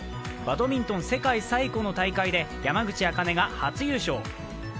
バドミントン世界最古の大会で山口茜が初優勝。